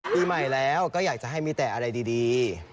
ปีใหม่แล้วก็อยากจะให้มีแต่อะไรดี